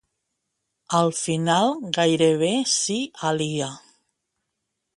Al final, gairebé s'hi alia.